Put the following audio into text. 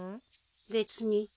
別に。